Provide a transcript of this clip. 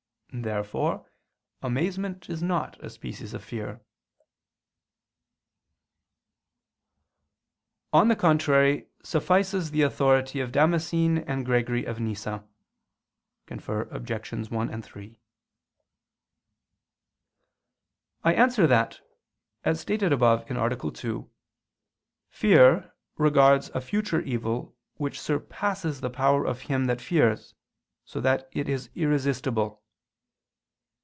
Therefore amazement is not a species of fear. On the contrary suffices the authority of Damascene and Gregory of Nyssa [*Nemesius] (Cf. Obj. 1, 3). I answer that, As stated above (A. 2), fear regards a future evil which surpasses the power of him that fears, so that it is irresistible.